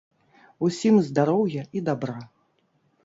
Усім здароўя і дабра.